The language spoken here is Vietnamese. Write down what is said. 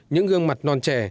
những gương mặt non trẻ